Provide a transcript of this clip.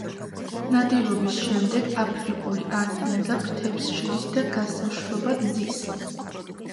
ნადირობის შემდეგ, აფრიკული ანჰინგა ფრთებს შლის და გასაშრობად ზის.